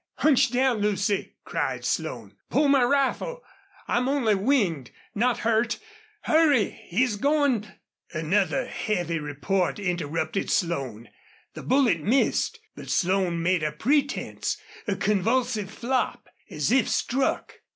"Hunch down, Lucy!" cried Slone. "Pull my rifle.... I'm only winged not hurt. Hurry! He's goin' " Another heavy report interrupted Slone. The bullet missed, but Slone made a pretense, a convulsive flop, as if struck.